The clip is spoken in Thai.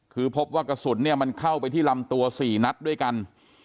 คือพบว่ากระสุนเนี่ยมันเข้าไปที่ลำตัว๔นัดด้วยกัน